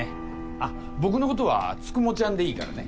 あっ僕のことはつくもちゃんでいいからね。